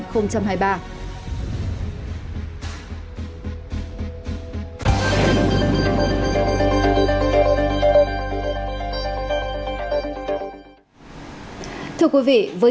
với ngày hôm nay